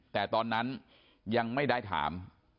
แต่ตอนนั้นยังไม่ได้ถาม